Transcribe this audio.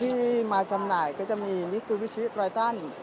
อย่างของค่ายมิซูบิชิแล้วก็จะมีมิซูบิชิไตรทานิ